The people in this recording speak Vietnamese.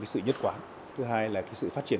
sự nhất quán thứ hai là sự phát triển